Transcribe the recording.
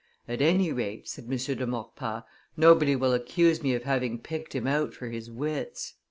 "At any rate," said M. de Maurepas, "nobody will accuse me of having picked him out for his wits."